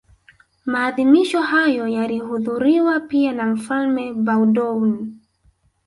Maadhimisho hayo yalihudhuriwa pia na Mfalme Baudouin